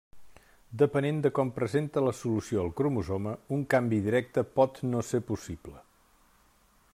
Depenent de com representa la solució el cromosoma, un canvi directe pot no ser possible.